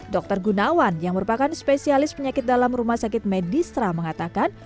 dokter gunawan yang merupakan spesialis penyakit dalam rumah sakit medis terang mengatakan